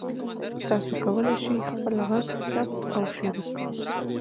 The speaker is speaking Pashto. تاسي کولای شئ خپل غږ ثبت او شریک کړئ.